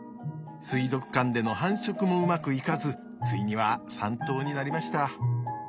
水族館での繁殖もうまくいかずついには３頭になりました。